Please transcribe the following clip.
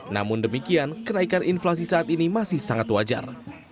namun demikian kenaikan inflasi saat ini masih sangat wajar